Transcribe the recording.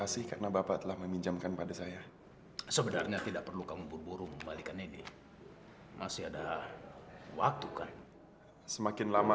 sampai jumpa di video selanjutnya